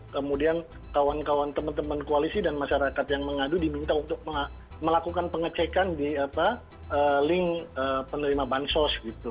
kemudian kawan kawan teman teman koalisi dan masyarakat yang mengadu diminta untuk melakukan pengecekan di link penerima bansos